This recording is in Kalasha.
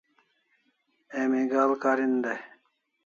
Emi ga'al karin dai